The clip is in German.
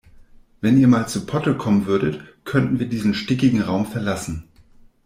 Wenn ihr mal zu Potte kommen würdet, könnten wir diesen stickigen Raum verlassen.